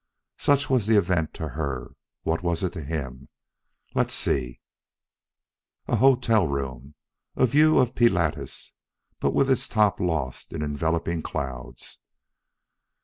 Such was the event to her. What was it to him? Let us see: A hotel room a view of Pilatus, but with its top lost in enveloping clouds.